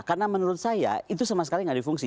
karena menurut saya itu sama sekali nggak difungsi